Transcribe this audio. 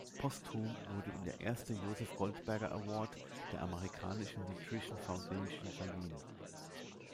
Posthum wurde ihm der erste "Joseph Goldberger Award" der amerikanischen "Nutrition Foundation" verliehen.